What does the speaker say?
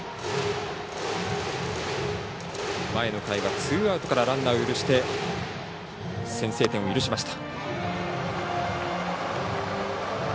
前の回はツーアウトからランナーを許して先制点を許しました。